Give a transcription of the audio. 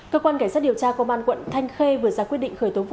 cơ quan cảnh sát điều tra công an quận thanh khê vừa ra quyết định khởi tố vụ án